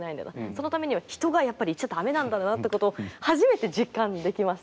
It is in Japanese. そのためには人がやっぱりいちゃダメなんだなってことを初めて実感できました。